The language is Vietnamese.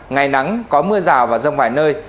ngày nắng có mưa rào và rông vài nơi